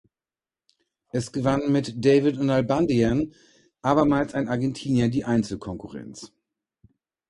Es gewann mit David Nalbandian abermals ein Argentinier die Einzelkonkurrenz.